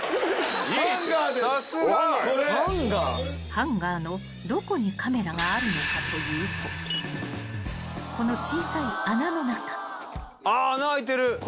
［ハンガーのどこにカメラがあるのかというとこの小さい穴の中］あっ穴開いてる！